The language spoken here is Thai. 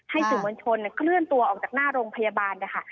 สื่อมวลชนเคลื่อนตัวออกจากหน้าโรงพยาบาลนะคะ